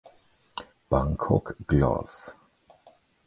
Bangkok Glass